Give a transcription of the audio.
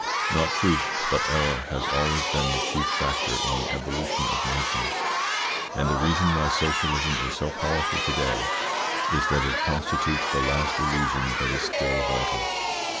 Not truth, but error has always been the chief factor in the evolution of nations, and the reason why socialism is so powerful to day is that it constitutes the last illusion that is still vital.